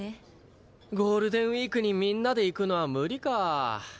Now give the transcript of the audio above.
ゴールデンウィークにみんなで行くのは無理か。